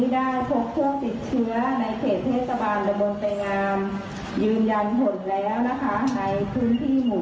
บริเวณตลาดสตร์เทพสมัยลมมนต์ไทยงามวักษ์ป่าวไทยงาม